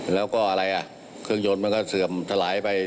แล้วก็อะไรอ่ะเครื่องยนต์มันก็เสื่อมทลายไป